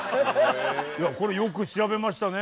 これよく調べましたね